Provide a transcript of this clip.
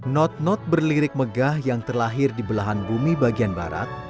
not not berlirik megah yang terlahir di belahan bumi bagian barat